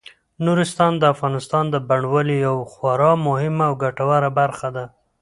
نورستان د افغانستان د بڼوالۍ یوه خورا مهمه او ګټوره برخه ده.